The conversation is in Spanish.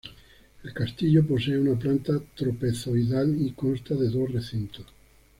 El castillo posee una planta trapezoidal y consta de dos recintos.